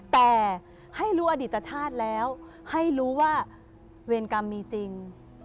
แต่ให้รู้อดิตชาติแล้วให้รู้ว่าเวรกรรมมีจริง